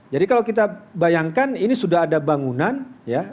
jadi kalau kita bayangkan ini sudah ada bangunan ya